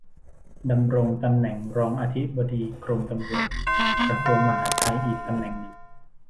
ดำรงตำแหน่งรองอธิบดีกรมตำรวจ กระทรวงมหาดไทย อีกตำแหน่งหนึ่ง